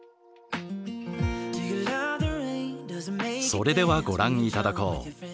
それではご覧頂こう。